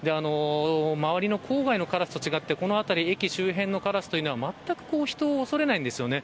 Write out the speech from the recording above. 周りの郊外のカラスと違ってこの辺り駅周辺のカラスというのはまったく人を恐れないんですよね。